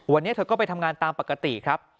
วันนี้เธอก็ไปทำงานตามปกติครับ